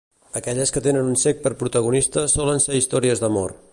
Aquelles que tenen un cec per protagonista solen ser històries d'amor.